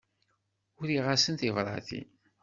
Uriɣ-asen tibratin.